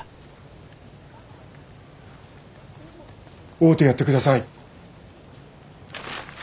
会うてやってください。